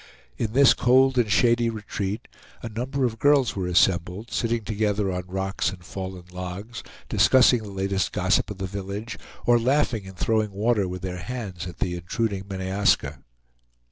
In this cold and shady retreat a number of girls were assembled, sitting together on rocks and fallen logs, discussing the latest gossip of the village, or laughing and throwing water with their hands at the intruding Meneaska.